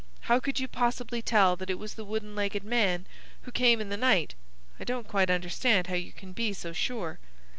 How could you possibly tell that it was the wooden legged man who came in the night? I don't quite understand how you can be so sure."